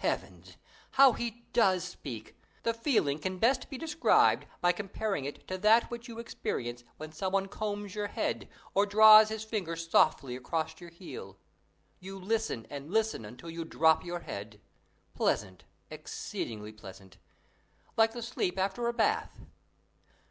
Heavens! How he does speak! The feeling can best be described by comparing it to that which you experience when some one combs your head or draws his finger softly across your heel. You listen and listen until you drop your head. Pleasant, exceedingly pleasant! like the sleep after a bath.